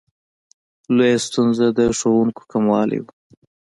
لویه ستونزه د ښوونکو کموالی و.